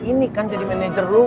ini kan jadi manajer lo